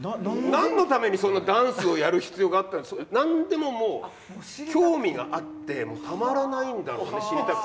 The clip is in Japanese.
何のためにそんなダンスをやる必要があった何でももう興味があってもうたまらないんだろうね知りたくて。